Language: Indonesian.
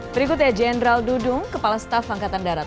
berikutnya jenderal dudung kepala staf angkatan darat